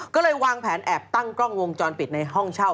ก็เลยวางแผนแอบตั้งกล้องวงจรปิดในห้องเช่า